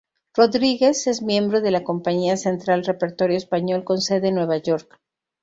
Rodríguez es miembro de la compañía teatral Repertorio Español, con sede en Nueva York.